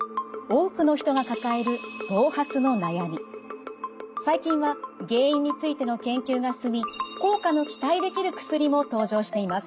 多くの人が抱える最近は原因についての研究が進み効果の期待できる薬も登場しています。